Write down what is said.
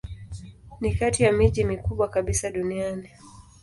Ni kati ya miji mikubwa kabisa duniani.